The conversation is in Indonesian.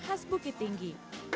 khas bukit tinggi